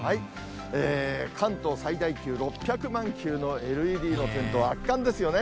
関東最大級、６００万球のＬＥＤの点灯は圧巻ですよね。